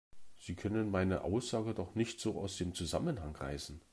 Sie können meine Aussage doch nicht so aus dem Zusammenhang reißen!